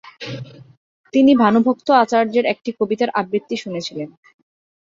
তিনি ভানুভক্ত আচার্যের একটি কবিতার আবৃত্তি শুনেছিলেন।